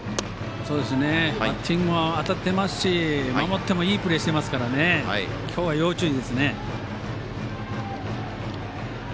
バッティングも当たってますし守ってもいいプレーしていますし今日は要注意ですね。